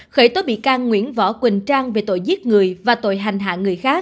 khởi tố bị can nguyễn võ quỳnh trang về tội giết người và tội hành hạ người khác